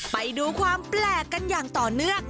ไปดูความแปลกกันอย่างต่อเนื่อง